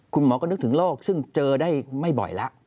คุณหมอก็นึกถึงโรคซึ่งเจอได้ไม่บ่อยแล้ว